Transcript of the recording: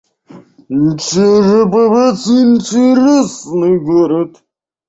Череповец — интересный город